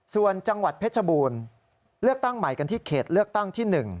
ส่วนจังหวัดเพชรบูรณ์เลือกตั้งใหม่กันที่เขตเลือกตั้งที่๑